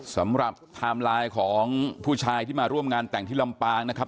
ไทม์ไลน์ของผู้ชายที่มาร่วมงานแต่งที่ลำปางนะครับ